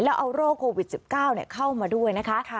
แล้วเอาโรคโควิด๑๙เข้ามาด้วยนะคะ